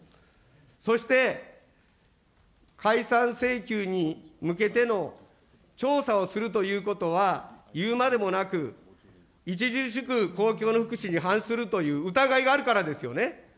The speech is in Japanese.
そして、解散請求に向けての調査をするということは、いうまでもなく、著しく公共の福祉に反するという疑いがあるからですよね。